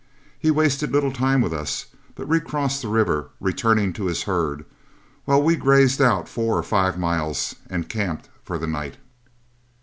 He wasted little time with us, but recrossed the river, returning to his herd, while we grazed out four or five miles and camped for the night.